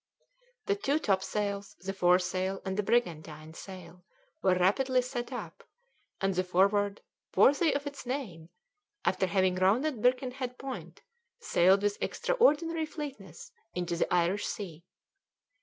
The two topsails, the foresail and the brigantine sail were rapidly set up, and the Forward, worthy of its name, after having rounded Birkenhead Point, sailed with extraordinary fleetness into the Irish Sea.